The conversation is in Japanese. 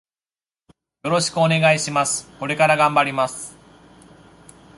よろしくお願いします。これから頑張ります。